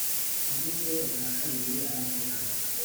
Agezeyo ubwa karindwi aravuga